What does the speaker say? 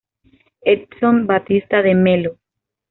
Edson Batista de Mello.